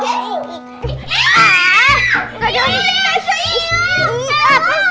enggak enggak enggak